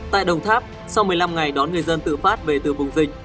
tại đồng tháp sau một mươi năm ngày đón người dân tự phát về từ vùng dịch